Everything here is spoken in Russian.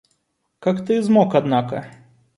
Как ты измок однако!